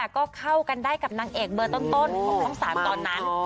ก็เข้ากันได้กับนางเอกเบอร์ต้นของช่อง๓ตอนนั้น